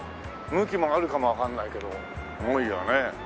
向きもあるかもわかんないけどすごいよね。